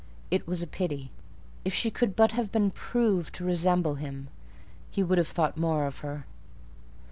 It was a pity: if she could but have been proved to resemble him, he would have thought more of her.